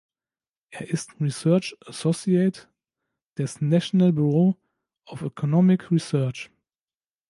Er ist Research Associate des National Bureau of Economic Research.